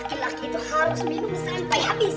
laki laki itu harus minum sampai habis